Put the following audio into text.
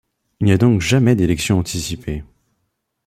Il n'y a donc jamais d'élection anticipée.